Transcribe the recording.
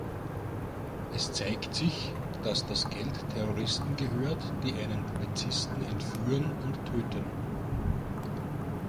Es zeigt sich, dass das Geld Terroristen gehört, die einen Polizisten entführen und töten.